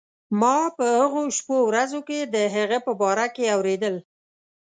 ما په هغو شپو ورځو کې د هغه په باره کې اورېدل.